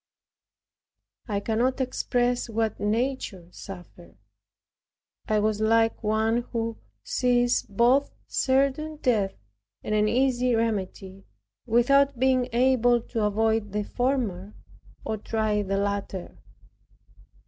I cannot express what nature suffered. I was like one who sees both certain death and an easy remedy, without being able to avoid the former, or try the latter.